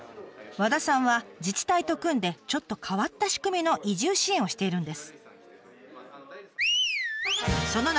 和田さんは自治体と組んでちょっと変わった仕組みの移住支援をしているんです。